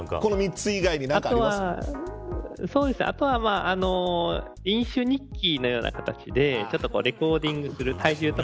あとは飲酒日記のような形でレコーディングする。